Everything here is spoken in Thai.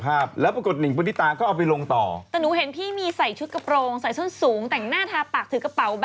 แต่งหน้าทาปากถื้อกระเป๋า